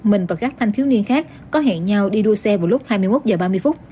mình và các thanh thiếu niên khác có hẹn nhau đi đua xe vào lúc hai mươi một h ba mươi phút